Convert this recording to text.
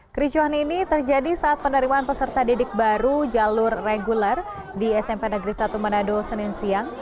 kericuhan ini terjadi saat penerimaan peserta didik baru jalur reguler di smp negeri satu manado senin siang